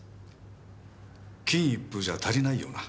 金一封じゃ足りないよな？